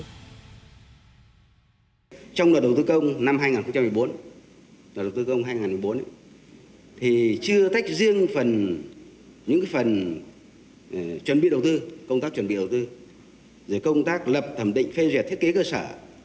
trong luật đầu tư công năm hai nghìn một mươi bốn chưa tách riêng những phần chuẩn bị đầu tư công tác chuẩn bị đầu tư công tác lập thẩm định phê rẻ thiết kế cơ sở